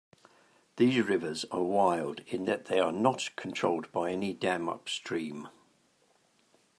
These rivers are 'wild', in that they are not controlled by any dam upstream.